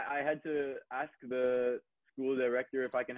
aku harus tanya ke direktur sekolah